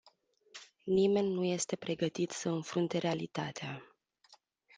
Nimeni nu este pregătit să înfrunte realitatea.